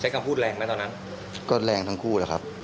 คำพูดแรงนะตอนนั้นก็แรงทั้งคู่แล้วครับ